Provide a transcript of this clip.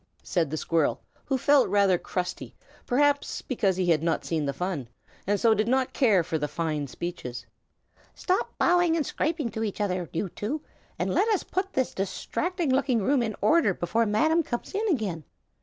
said the squirrel, who felt rather crusty, perhaps, because he had not seen the fun, and so did not care for the fine speeches, "stop bowing and scraping to each other, you two, and let us put this distracted looking room in order before Madam comes in again.